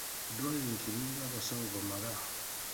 Eddwaliro teririna basawo bamala.